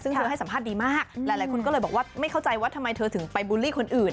ซึ่งเธอให้สัมภาษณ์ดีมากหลายคนก็เลยบอกว่าไม่เข้าใจว่าทำไมเธอถึงไปบูลลี่คนอื่น